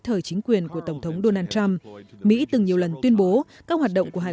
thời chính quyền của tổng thống donald trump mỹ từng nhiều lần tuyên bố các hoạt động của hải